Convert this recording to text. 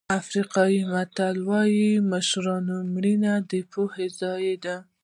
افریقایي متل وایي د مشرانو مړینه د پوهې ضایع ده.